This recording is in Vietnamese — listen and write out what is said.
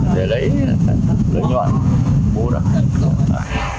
để lấy lưỡi nhọn bố đặc